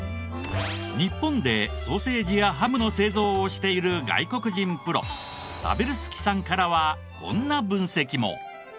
日本でソーセージやハムの製造をしている外国人プロタベルスキさんからはこんな分析も。